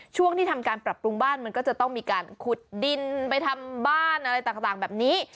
ช่วงที่ทำการปรับปรุงบ้านมันก็จะต้องมีการขุดดินไปทำบ้านอะไรต่างแบบนี้